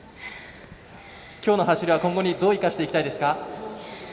きょうの走りは、今後にどう生かしていきたいですか。